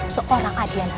seorang adiana reswari